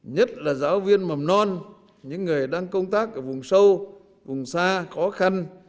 nhất là giáo viên mầm non những người đang công tác ở vùng sâu vùng xa khó khăn